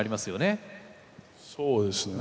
そうですね。